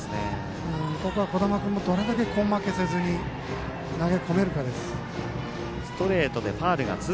ここは小玉君もどれだけ根負けせずに投げ込めるかどうかです。